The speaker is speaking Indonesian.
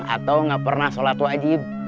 atau nggak pernah sholat wajib